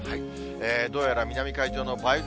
どうやら南海上の梅雨